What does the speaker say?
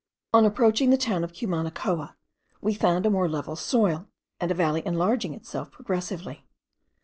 On approaching the town of Cumanacoa we found a more level soil, and a valley enlarging itself progressively.